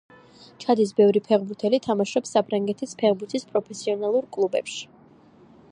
ჩადის ბევრი ფეხბურთელი თამაშობს საფრანგეთის ფეხბურთის პროფესიონალურ კლუბებში.